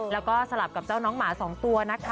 แล้วก็สลับกับเจ้าน้องหมา๒ตัวนะคะ